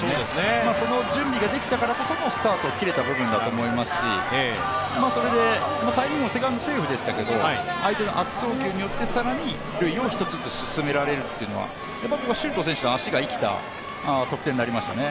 その準備ができたからこそのスタートを切れた部分だと思いますし、それでタイミングもセカンドセーフでしたけれども相手の悪送球によって更に塁を一つずつ進められるっていうのは周東選手の足が生きた得点になりましたね。